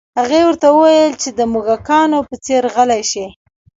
هغې ورته وویل چې د موږکانو په څیر غلي شي